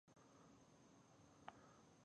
ایا مصنوعي ځیرکتیا د انساني عقل بشپړه بدیله نه ده؟